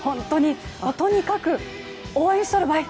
とにかく、応援しとるばい。